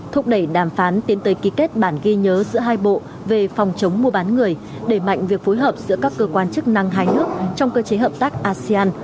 thúc đẩy đàm phán tiến tới ký kết bản ghi nhớ giữa hai bộ về phòng chống mua bán người đẩy mạnh việc phối hợp giữa các cơ quan chức năng hai nước trong cơ chế hợp tác asean